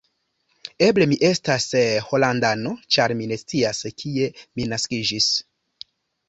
Eble mi estas holandano, ĉar mi ne scias, kie mi naskiĝis.